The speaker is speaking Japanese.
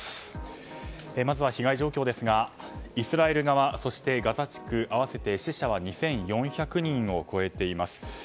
まずは、被害状況ですがイスラエル側そしてガザ地区、合わせて死者は２４００人を超えています。